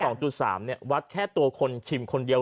ประเด็นคะแดน๒๓วัดแค่ตัวคนชิมคนเดียว